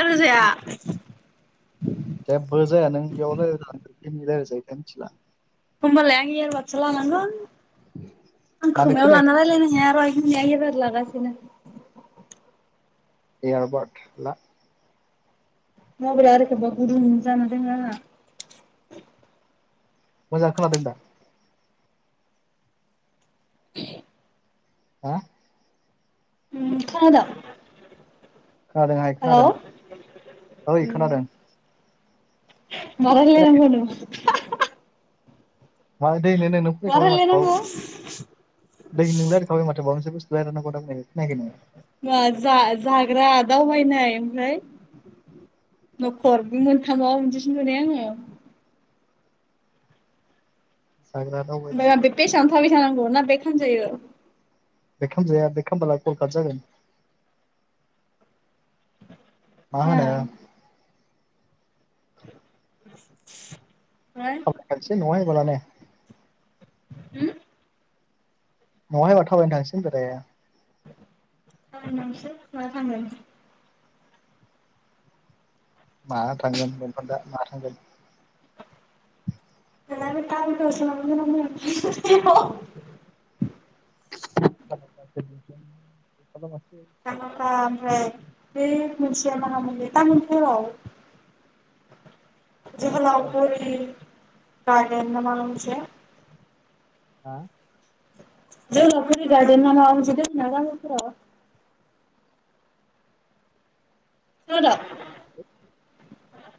[unintelligible] जाया जेबो जाया नों बेयाव रायजायो दिनि रायलायजायो जाया मिथिला होमबालाय आं एयारबडसो लानांगोन आं मानो खोमायाव खोनायाखै लाना रायलायनो हाया रुवायो बुंलाय आं एबार लागासिनो एयारबार्थ ला मबेला ओरैखोबा गुदुं जाना दोङो आंहा मोजां खोनादों दा हा उम खोनादों खोनादों आइ हेलौ खोनादों ओइ खोनादों मा खोनायाखै रायलायनांगौ होनदोंमोन मा दोहैनो नोंनो मा फोरमायखाबाय माथो रायलायनांगौ दोहै नों रायलाय खाबाय माथो माबा मोनसे बुस्थु रायलायनांगौ होननायखौ नों खोनायाखै नामा मा जा जाग्रा दावबायनाय ओमफ्राय न'खर बे मोनथामाव मोनसे खोनथानाय आङो जाग्रा दावबायनाय ओमफ्राय बेग पेजावनो थाबाय थानांगौ ना बेग खामजायो। बेग खामजाया बे खामबालाय कल काट जागोन मा होनो ओमफ्राय [unintelligible] सि नङा इसबालानो उम [unintelligible] गाबोन नोंसो मायाव थांगोन माहा थांगोन बेखौ दा माहा थांगोन मिथिया दा गाबोनफोरावसो मोनाव फैगोन [inaudible] सामाखा ओमफ्राय बै मोनसेया माहामोनलाय तामुलपुराव जोहोलावफुरि गारदेना मामोन मोनसेया हा जोहोलावफुरि गारदेना मा मोनसे दोंङो तामुलपुराव खोनाद'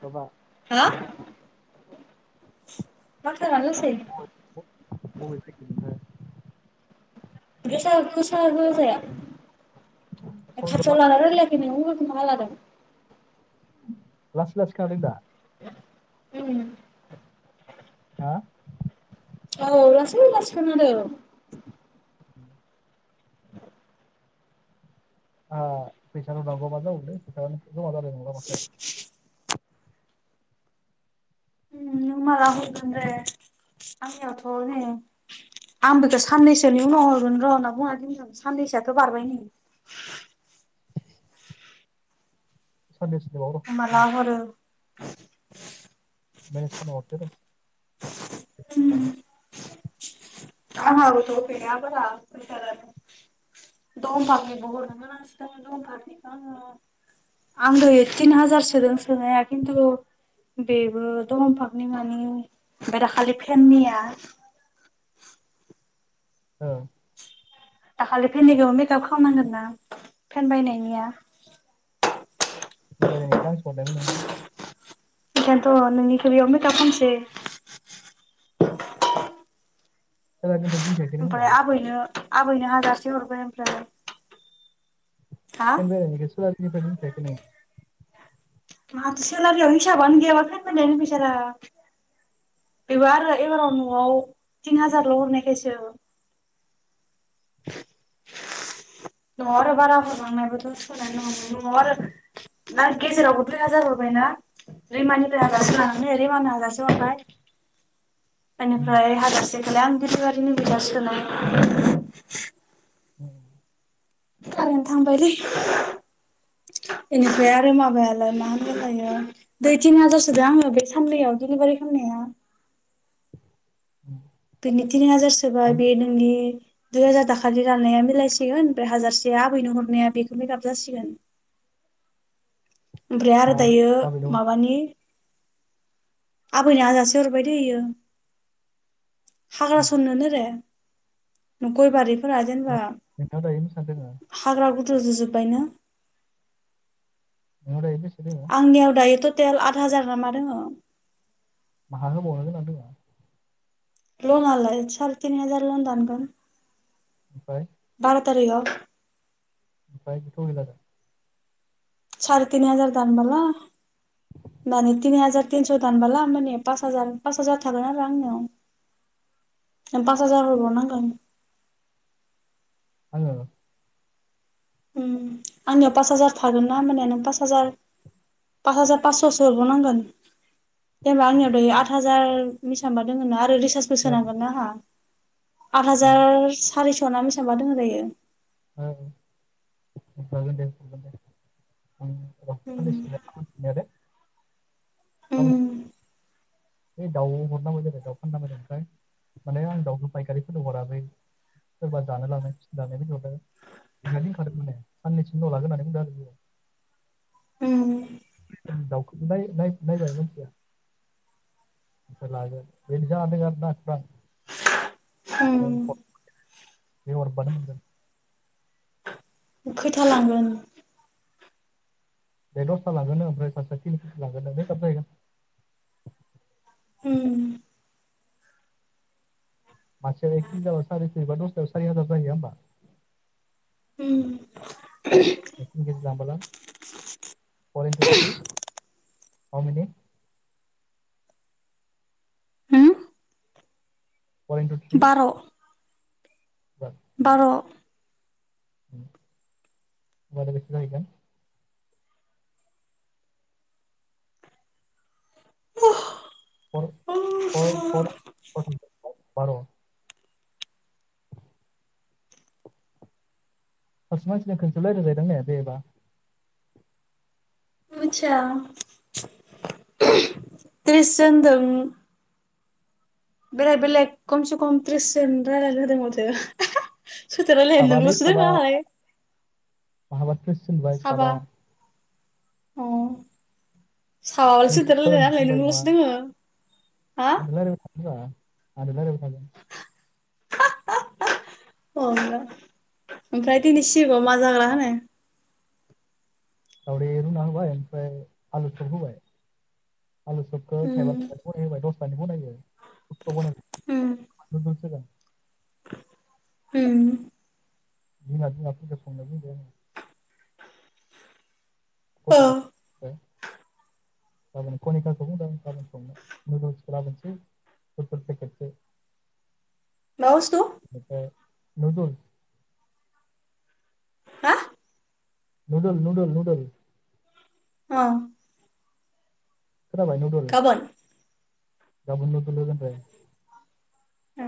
माबा हो माथोआ मा लासै [unintelligible] बबेनिफाय फायदो गोसा गोसा होजाया खाथियाव सयद'बार लाना रायलाय खोमायाव मबेलखो बहा लादों? लासै लासै खारदों दा जाबायना हा औ होनदों लासै लासै खोनादों ओ फैसाल' जागबानो जागोमोनलै फैसा जमा जालाय नंला माथो उम नों माला हरगोन दे आंनियावथ' नै आंबोथ' साननैसोनि उनाव हरगोन र' होनना बुंङाखैमोन साननैसोआथ' बारबाय नै साननैसो गोबाव दं ओमबा माला हरो? मेनेज खालामना हरसै र [unintelligible] [inaudible] द फामि हरनो‌ गोनांथि दङ [unintelligible] आं दहाय तिन हाजार सदों होनाया किनटु बेबो दंफांनि मानि ओमफ्राय दाखालि फेननिया औ दाखालि फेननिखौ मेकआप खालामनांगोन फेन बायनायनिया बेनिफ्राय ख्लास हरदोंमोन नोङो बेखायनोथ' नोंनिखौ बेयाव मेकाप खामनोसै सेलारिनो मोनगोन ओमफ्राय आबैनो आबैनो हाजारसे हरबाय ओमफ्राय हा ओमबा नोङो सेलारिनिफ्राय दोनखायाखै नोङो आं सेलारियाव हिसाबानो गैयाबा फोरमायनायनि फैसा रा बेबो आरो एबाराव न'आव थिन हाजारल' हरनायखायसो न'आव आरो बारा हरबांवनायबाथ' थोनायनो नङामोन‌ न'आव आरो ना गेजेरावबो दुइ हाजार हरबायना रिमानिफ्राय हाजारसे लानानै रिमानो हाजारसे हरबाय इनिफ्राय हाजारसेखौलाय दिलिभारिनो होखासिगोन ना उम कारेन्ट थांबायलै इनिफ्राय आरो माबायालाय मा होनबाय थायो दुइ थिन हाजार सो दो आङो बे साननैयाव डिलिभारि खालामनाया उम बिनि थिन हाजारसोबाय बे नोंनि दुइ हाजार दाखालि लानाया मिलायसिगोन ओमफ्राय हाजारसे आबैनो हरनाया बेखौ मेकाब जासिगोन। ओमफ्राय आरो दायो माबैनो हर माबानि आबैनो हाजारसे हरबाय दहायो हाग्रा सननोनो रे गय बारिफोरा जेनेबा नोंथाङा दायोनो सानदोंङो हाग्रा गुदु जुजोबबायनो नङा दायो बेसे दोङो आंनियाव दायो टटेल आद हाजार नामा दङ माहा होबावनो गोनां दोङो ल'न आला सार तिनि हाजार ल'न दानगोन ओमफ्राय बार' थारिखाव फायथ' गैलादा सार तिन हाजार दामबाला दानि तिन हाजार तिनस' दानबला माने हाजार पास हाजार थागोन आरो आंनाव पास हाजार हबरबाव नांगोन आङो ओम आंनियाव पास हाजार थागोन ना हमबानिया नों पास हाजार पास हाजार पासस'सो हरबाव नांगोन [unintelligible] नै आत हाजारनिसांबा दङ ना आरो रिसार्जबो सोनांगोन ना आंहा आद हाजार सारिस' नना बेसेबांबा दोङो दायो औ जागोन दे उम [unintelligible] नेदो [unintelligible] ओय दाउ हरनांगौ जाबाय दाउ फाननांगौ ओमफ्राय माने आं दाउखौ फायखारिफोरनो हराखै सोरबा जानो लांनाय फिसिनो जानायनिनो बिदिंखादों माने साननैसमल' लागोन होननानै बुंदों आरो बियो [inaudible] उम उम दाउखौबो नाय नायबाय मानसिया ओमफ्राय लागोन बेदि जाना दं आरो ना औ, उम हर बे हरबानो मोनगोन खैथा लांगोन बे दसथा लाङोनो ओमफ्राय सासेया तिनि खिजि लाङोनो मेखाफ जाहैगोन उम मासेआव एक केजि जाबा सारिसयैबा दसथायाव सारि हाजार जाहैया होमबा उम द तिन केजि लांबोला फर इन्टु थ्रि हावमिनि होम पर इन्टु थ्रि बार' बार' होनबा बेसे जाहैगोन पर पर पर बार' खासे मानसिनो खनसे' रायलाजायोदां देबा मिथिया त्रिस जोन दं बेलेक बेलेक कमसेकम त्रिस जोन राज्लाय होदों माथो सोरदो रायज्लायनो नोंल'सो दङ आंहालाय महाबा त्रिस [unintelligible] साबा उम सावाल सोरदो राज्लायनो त्रिसजन आंलाय होनबाय नङा नोंल'सो दोङो हा [unintelligible] [unintelligible] अ ओमफ्राय दिनै सिबाव मा जाग्रा होनो। दावदै रुना होबाय ओमफ्राय आलु सब होबाय आलु सबखौ थाइबा उम थ बनाय होबाय उम [unintelligible] हम बिमा बिमा [inaudible] हो फथ [inaudible] गाबोन कनिकाखौबो बुंदों गाबोन सबनिया [unintelligible] [inaudible] मा बुस्थु ओमफ्राय [unintelligible] हा नुडोल नुडोल नुडोल औ खोनाबाय नुदोल गाबोन गाबोन नुदोल होगोन फाय ए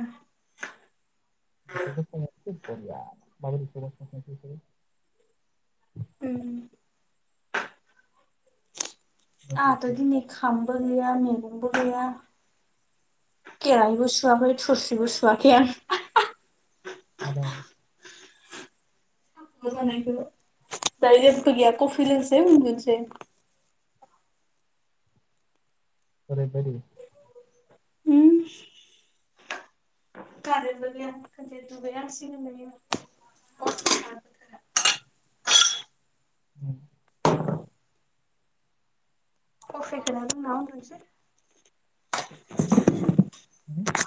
[unintelligible] [inaudible] उम आंहाथ' दिनै खामबो गैया मैगंबो गैया खेराइबो सुवाखै थुरसिबो सुवाखै आं। [unintelligible] [unintelligible] दायो जेबबो गैया कफि लोंसै उन्दुसै। ओरै बायदि। कारेनबो गैया खनसे दुगै नांसिगोमोन। [inaudible] कफिखोनो लोंना उन्दुसै। [inaudible]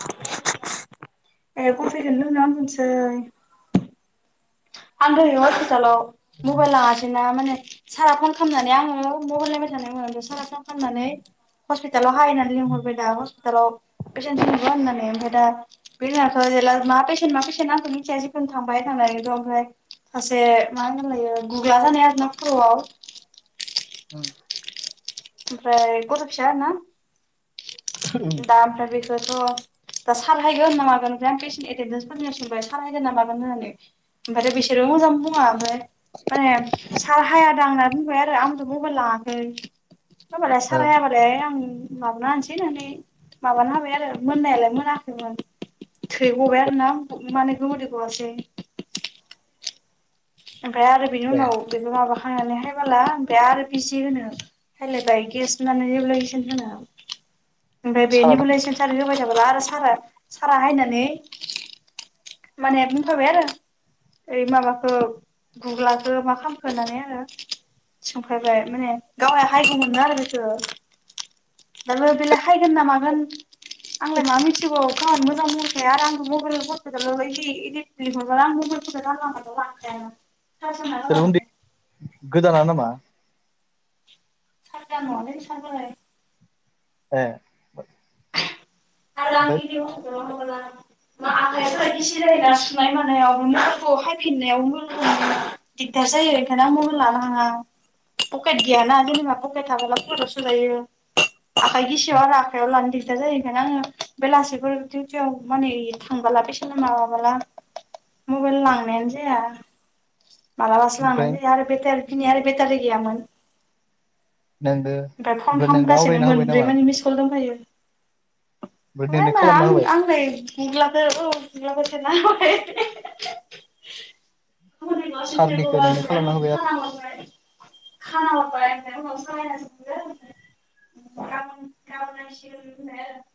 ए कफिखोननो लोंनना उन्दुसै। आं दोहाय होसपिटलयाव मबाइलसिना माने सारा फन खालामनानै आङो मबाइल नायबाय थादोंमोन सारा फन खालामनानै हस्पितालाव हाय होननानै लिंहरबाय दा हस्पिटालाव पेसेन्ट जनबा होननानै ओमफाय दा बेथ' जेला मा पेसेन मा पेसेन आंथ' जिखुनु थांबाय थांनानैथ'। ओमफाय सासे मा होनोमोनलायो गुग्ला जानाय आरोना खर'आव उम। ओमफ्राय गथ' फिया आरो ना दा ओमफ्राय बे दाथ' दा सालहायगोन ना मागोन ओमफ्राय आं पेसेन्ट एटेडेन्सफोरनियाव सोंबाय सालहायगोन ना मागोन होननानै। ओमफायथ' बिसोरो मोजां बुङा ओमफाय माने सार हायादां होनना बुंबाय आरो आंबो मबाइल लाङाखै। [inaudible] सार हायाबा लै आं माबा होनसै होननानै माबाना होबाय आरो मोननायालाय मोनाखैमोन। थै गबाय आरोना माने गोमोदै गवासै। ओमफाय आरो बेनि ए उनाव बेबो माबाखांनानैहाय बाला ओमफ्राय आरो बिजि होनो हायलायबाय गेस [inaudible] ओमफाय बे साराथाम निबोसेन सेन्सार होबाय थाब्ला आरो सारा सारा हायनानै माने बुंखाबाय आरो ओइ माबाखौ गुग्लाखो मा खामखो होननानै आङो सोंफायबाय माने गाव हाइगौमोननो आरो बेखो दाबो बेलाय हायगोन ना मागोन आंलाय मा मिथिग गावहानो मोजां बुंहर खाया आरो आंबो मबाइल फ जै इहि इदि आं मबाइलखौनो जानला मोनला लांखायानो सोर उन्दै गोदाना नामा। सारजा नङालै सार बोराय ए। आर ओमफ्राय आंनि इदि आ फाया बिदिसो जायोना सुनाय मानायाव आंखौ हायफिननायाव लोगो मोनदों दिगदार जायो बेखायनो आं मबाइल लाना थाङा। पकेट गैयाना जेनेबा पकेट थाबोला पकेटआव सोजायो आखाइ गिसियाव आरो आखाइायाव लानो दिगदार जायो ओंखायनो आङो बेलासिफोर दिउटियाव माने इ थांबाला पेसना माबाबोला मबेल लांनायानो जाया। मालाबासो लांनाय ओमफ्राय जायो आरो बेटारि दिनै आरो बेटारि गैयामोन। नोंगो। ओमफाय फन खामगासिनो मोनब्रै मानि मिसकल दंफैयो। ओमफ्राय हो नोंनो हायना खालामना आंनि होबाय आंलाय गुग्लाखो औ गुग्लाखो सेरना होबाय हि‌हि हि सारनिखौ नोंनो खालामना होबाय आरो [unintelligible] [unintelligible] [unintelligible]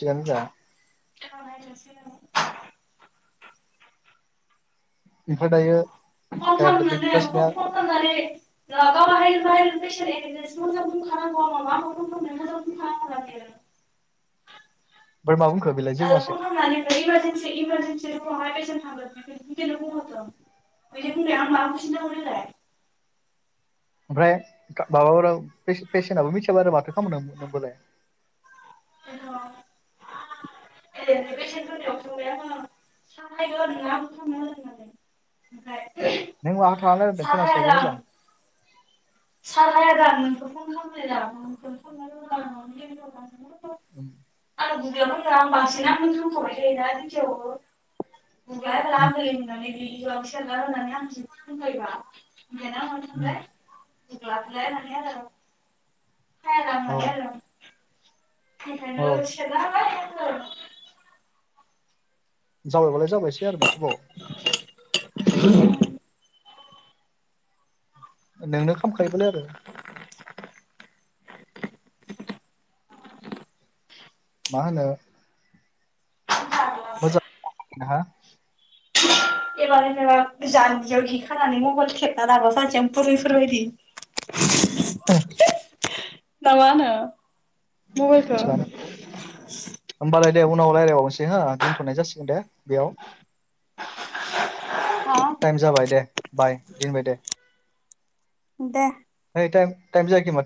थिगानो दा। औ माय गसानो बेफ्राय दायो बे सफथासेया [unintelligible] एसे सिगां बुंखानांगौ आंखौ फन खालामनानै बुंखानांगौना बियो ओमफ्राय मा बुंखो बेलाय जेबो बुङासै इमारजेनसि इमारजेनसि रुमावहाय फेसेन थांगोन बिदि बुंहरदों बिदि बुंनायाव आं मा बुजिनो देलाय ओमफ्राय माबाफोर पेसेन्टआबो मिथियाबा आरो माथो खालामनो नोंबोलाय। बेनोथ' औ ओरैनो बेसे गोदोआव थांनो नागिरदों आरो थांनो होदों होननानै ओमफ्राय नों माहा थानानै ओमहु रायलायदों साहाया खोनास्रायाखै लां मोजां सार हाया गा मोनखौ फन खालामनो दाखौ फन ओम आरो बुंगाया फैब्ला आं बांसिन बुंखाबाय थायोना दिंखियाखौबो गुग्लाया बाला आं दै होनानै गोलाव सेरगारनानै होनानै आंसो जि होबायना ओंखायनो आङो ओम गुग्लाखौलाय होननानै आरो औ सायादां होननानै आरो औ बेखायनो सेरगारबाय आङो जाबाय बालाय जाबायसै आरो माथोबाव। [inaudible] नोंनो खामखायो बालाय आरो। मा होनो फाग्लासो अजद हा एबारो जान्जियाव जि खानानै मबाइल थेबना लाग्रा जानोसै आं बुरिफोरबादि। [inaudible] ना मा होनो? मबाइलखौ थिगानो होमबालाय दे उनाव रायज्लायबावनोसै हो दोनथ'नाय जासिगोन दे बेयाव। हा टाइम जाबाय दे बाय दोनबाय दे। दे। है टाइम टाइम जायामै माथो।